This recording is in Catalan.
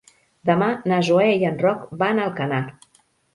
Demà na Zoè i en Roc van a Alcanar.